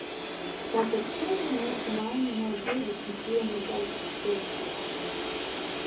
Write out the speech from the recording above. Tātad šodien mūsu maiņa nav divdesmit viena darba stunda.